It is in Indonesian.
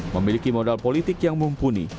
memiliki modal politik yang mumpuni